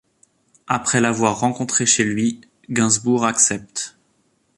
Après l’avoir rencontrée chez lui, Gainsbourg accepte.